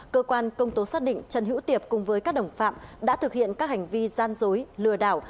cơ quan công tố xác định trần hữu tiệp cùng với các đồng phạm đã thực hiện các hành vi gian dối lừa đảo